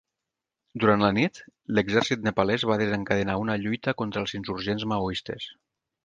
Durant la nit l'Exèrcit nepalès va desencadenar una lluita contra els insurgents maoistes.